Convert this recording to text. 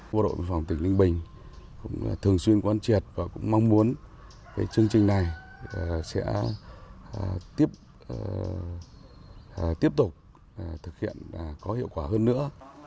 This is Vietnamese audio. bộ đội biên phòng tỉnh linh bình cũng thường xuyên quan triệt và cũng mong muốn chương trình này sẽ tiếp tục thực hiện có hiệu quả hơn nữa